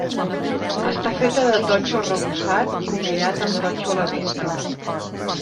Està feta de totxo arrebossat combinat amb totxo a la vista.